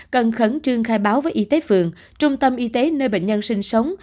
cần khẩn trương khai báo với y tế phường trung tâm y tế nơi bệnh nhân sinh sống